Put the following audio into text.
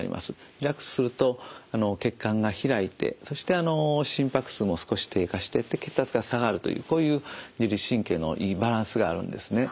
リラックスすると血管が開いてそして心拍数も少し低下してって血圧が下がるというこういう自律神経のいいバランスがあるんですね。